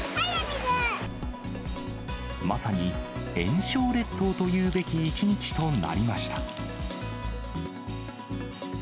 まさに炎暑列島ともいうべき一日となりました。